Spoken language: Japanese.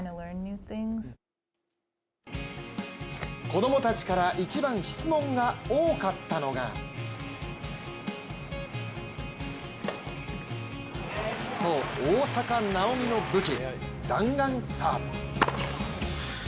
子供たちから一番質問が多かったのがそう、大坂なおみの武器、弾丸サーブ。